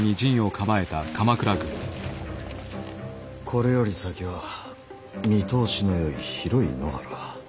これより先は見通しのよい広い野原。